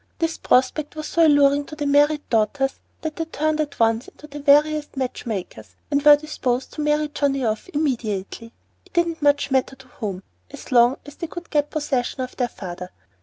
This prospect was so alluring to the married daughters that they turned at once into the veriest match makers and were disposed to many Johnnie off immediately, it didn't much matter to whom, so long as they could get possession of their father.